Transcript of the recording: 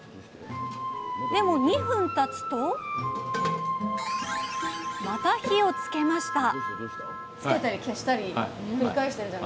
でも２分たつとまた火をつけました